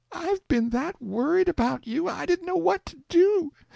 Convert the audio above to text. I've been that worried about you I didn't know what to do.